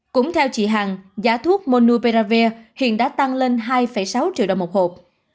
cũng theo chị hằng giá thuốc monupiravir hiện đã tăng lên hai sáu triệu đồng một hộp